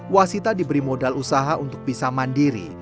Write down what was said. wasita diberi modal usaha untuk bisa mandiri